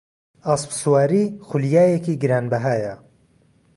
ئەسپسواری خولیایەکی گرانبەهایە.